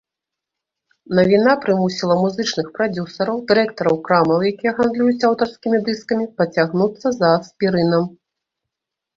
Навіна прымусіла музычных прадзюсараў, дырэктараў крамаў, якія гандлююць аўтарскімі дыскамі, пацягнуцца за аспірынам.